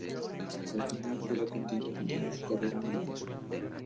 Tras el final de la contienda continuó su carrera militar.